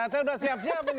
saya sudah siap siap ini